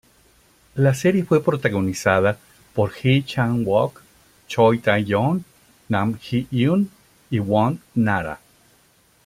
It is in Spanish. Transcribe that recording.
La serie fue protagonizada por Ji Chang-wook, Choi Tae-joon, Nam Ji-hyun y Kwon Nara.